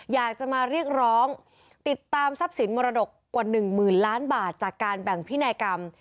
อยากจะมาเรียกร้องติดตามทรัพย์สินมรดกกว่าหนึ่งหมื่นล้านบาทจากการแบ่งพินัยกรรม